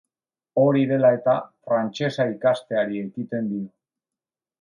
Hori dela eta, frantsesa ikasteari ekiten dio.